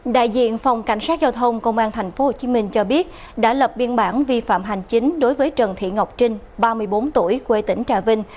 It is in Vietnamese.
đại diện phòng cảnh sát giao thông công an tp hcm cho biết đã lập biên bản vi phạm hành chính đối với trần thị ngọc trinh ba mươi bốn tuổi quê tỉnh trà vinh